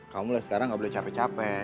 kamu lah sekarang gak boleh capek capek